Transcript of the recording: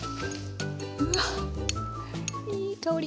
うわっいい香り。